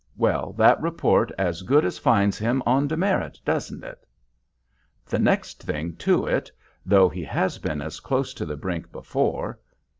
"Well, that report as good as finds him on demerit, doesn't it?" "The next thing to it; though he has been as close to the brink before."